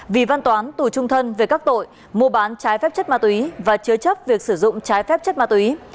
vì văn toán tù trung thân về các tội mua bán trái phép chất ma túy và chứa chấp việc sử dụng trái phép chất ma túy